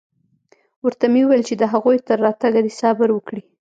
ورته مې وويل چې د هغوى تر راتگه دې صبر وکړي.